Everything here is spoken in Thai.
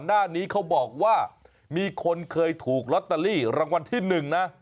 หน้านี้เขาบอกว่ามีคนเคยถูกลอตเตอรี่รางวัลที่๑นะ